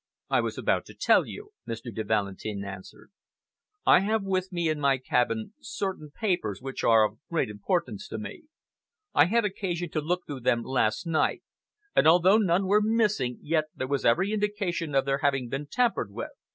"I was about to tell you," Mr. de Valentin answered. "I have with me in my cabin certain papers, which are of great importance to me. I had occasion to look them through last night, and although none were missing, yet there was every indication of their having been tampered with.